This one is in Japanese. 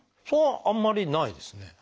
それはあんまりないですね。